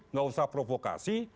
nggak usah provokasi